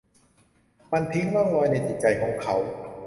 มันทิ้งร่องรอยในจิตใจของเขา